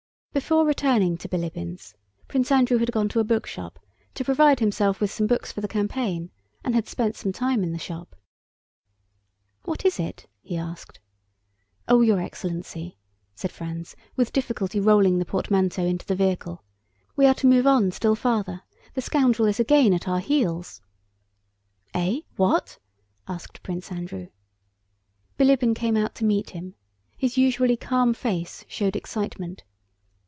Before returning to Bilíbin's Prince Andrew had gone to a bookshop to provide himself with some books for the campaign, and had spent some time in the shop. "What is it?" he asked. "Oh, your excellency!" said Franz, with difficulty rolling the portmanteau into the vehicle, "we are to move on still farther. The scoundrel is again at our heels!" "Eh? What?" asked Prince Andrew. Bilíbin came out to meet him. His usually calm face showed excitement.